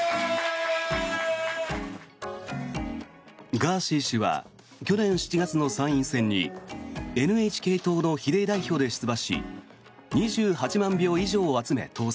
ガーシー氏は去年７月の参院選にＮＨＫ党の比例代表で出馬し２８万票以上を集め、当選。